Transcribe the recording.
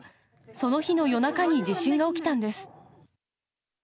その日の夜中に地震が起きたんです。